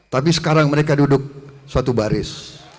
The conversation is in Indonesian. tapi sekarang mereka duduk suatu baris